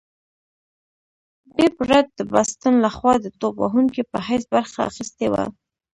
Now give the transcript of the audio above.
بېب رت د باسټن لخوا د توپ وهونکي په حیث برخه اخیستې وه.